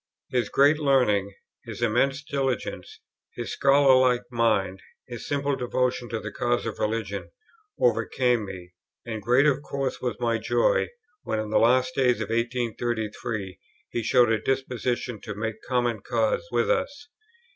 His great learning, his immense diligence, his scholarlike mind, his simple devotion to the cause of religion, overcame me; and great of course was my joy, when in the last days of 1833 he showed a disposition to make common cause with us.